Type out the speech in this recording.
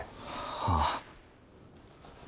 はあ。